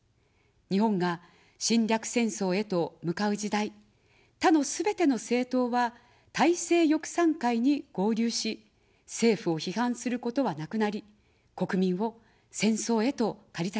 日本が侵略戦争へと向かう時代、他のすべての政党は大政翼賛会に合流し、政府を批判することはなくなり、国民を戦争へと駆り立てました。